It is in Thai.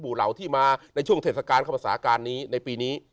ทุบูราวที่มาในช่วงเถศกาลข้างบะศาการนี้ในปีนี้